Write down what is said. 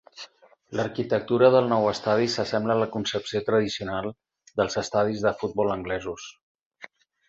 L'arquitectura del nou estadi s'assembla a la concepció tradicional dels estadis de futbol anglesos.